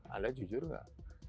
anda jujur gak